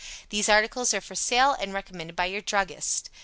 These articles are for sale and recommended by your druggist.